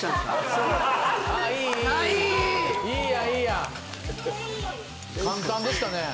そういいいいいいやんいいやん簡単でしたね